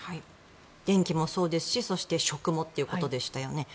電気もそうですし食もということでしたよね。